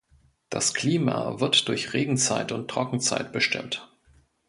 Das Klima wird durch Regenzeit und Trockenzeit bestimmt.